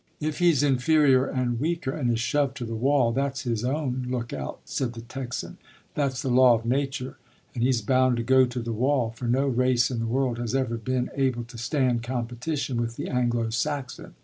"If he's inferior and weaker, and is shoved to the wall, that's his own look out," said the Texan. "That's the law of nature; and he's bound to go to the wall; for no race in the world has ever been able to stand competition with the Anglo Saxon.